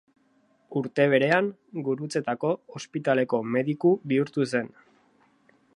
Urte berean, Gurutzetako Ospitaleko mediku bihurtu zen.